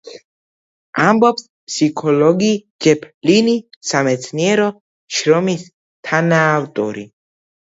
ამბობს ფსიქოლოგი ჯეფ ლინი, სამეცნიერო შრომის თანაავტორი.